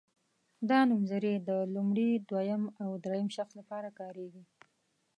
دا نومځري د لومړي دویم او دریم شخص لپاره کاریږي.